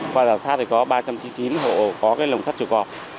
qua giả sát có ba trăm chín mươi chín hộ có lồng sắt chuồng cọp